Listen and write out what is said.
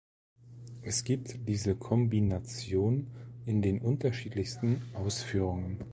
Es gibt diese Kombination in den unterschiedlichsten Ausführungen.